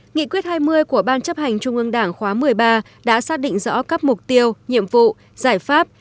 nghị quyết hai mươi của ban chấp hành trung ương đảng khóa một mươi ba đã xác định rõ các mục tiêu nhiệm vụ giải pháp